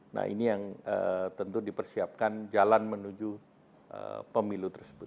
nah ini yang tentu dipersiapkan jalan menuju pemilu tersebut